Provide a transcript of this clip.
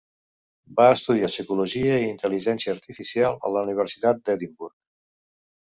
Va estudiar psicologia i intel·ligència artificial a la Universitat d'Edimburg.